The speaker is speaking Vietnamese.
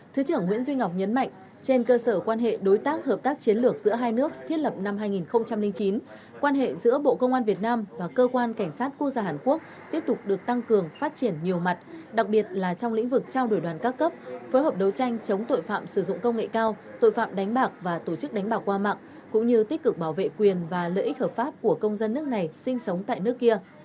thứ trưởng nguyễn duy ngọc nhấn mạnh trên cơ sở quan hệ đối tác hợp tác chiến lược giữa hai nước thiết lập năm hai nghìn chín quan hệ giữa bộ công an việt nam và cơ quan cảnh sát quốc gia hàn quốc tiếp tục được tăng cường phát triển nhiều mặt đặc biệt là trong lĩnh vực trao đổi đoàn các cấp phối hợp đấu tranh chống tội phạm sử dụng công nghệ cao tội phạm đánh bạc và tổ chức đánh bạc qua mạng cũng như tích cực bảo vệ quyền và lợi ích hợp pháp của công dân nước này sinh sống tại nước kia